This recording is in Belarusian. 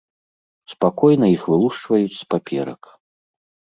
Спакойна іх вылушчваюць з паперак.